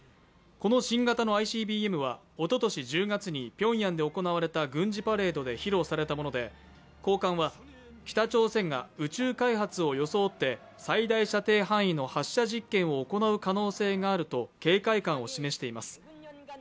この新型のＩＣＢＭはおととし１０月にピョンヤンで行われた軍事パレードで披露されたもので、高官は、北朝鮮が宇宙開発を装って最大射程範囲の発射実験を行う可能性があると警戒感を示しています。